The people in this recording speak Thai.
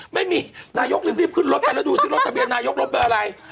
ไม่มีนายกรีบขึ้นรถไปแล้วดูสิรถทะเบียนนายกรถเป็นอะไร